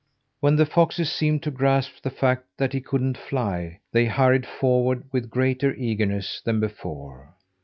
When the foxes seemed to grasp the fact that he couldn't fly, they hurried forward with greater eagerness than before.